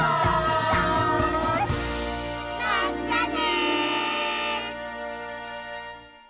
まったね！